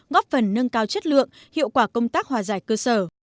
góp phần nâng cao chất lượng hiệu quả công tác hòa giải cơ sở